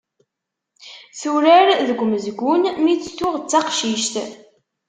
Turar deg umezgun mi tt-tuɣ d taqcict.